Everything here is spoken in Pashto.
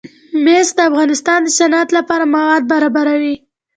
مس د افغانستان د صنعت لپاره مواد برابروي.